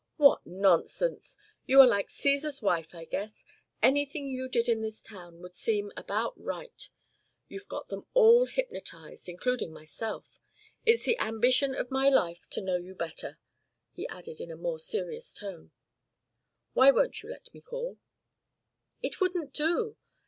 "What nonsense! You are like Cæsar's wife, I guess. Anything you did in this town would seem about right. You've got them all hypnotised, including myself. It's the ambition of my life to know you better," he added in a more serious tone. "Why won't you let me call?" "It wouldn't do.